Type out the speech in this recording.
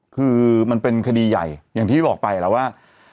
คือมันเป็นคดีใหญ่อย่างที่บอกไปแล้วว่า